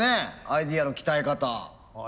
アイデアの鍛え方。